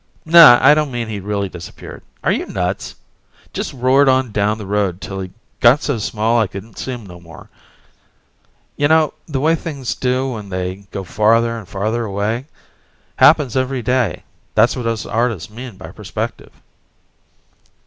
Naw, I don't mean he really disappeared are you nuts? Just roared on down the road till he got so small I couldn't see him no more. You know the way things do when they go farther and farther away. Happens every day; that's what us artists mean by perspective.